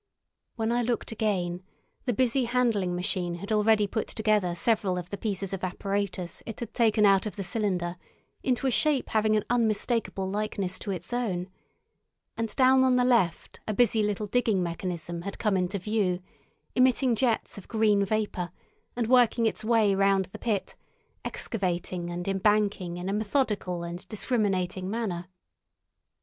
When I looked again, the busy handling machine had already put together several of the pieces of apparatus it had taken out of the cylinder into a shape having an unmistakable likeness to its own; and down on the left a busy little digging mechanism had come into view, emitting jets of green vapour and working its way round the pit, excavating and embanking in a methodical and discriminating manner.